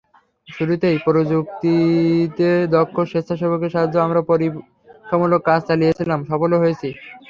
শুরুতেই প্রযুক্তিতে দক্ষ স্বেচ্ছাসেবকদের সাহায্যে আমরা পরীক্ষামূলক কাজ চালিয়েছিলাম, সফলও হয়েছি।